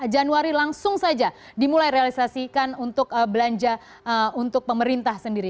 januari langsung saja dimulai realisasikan untuk belanja untuk pemerintah sendiri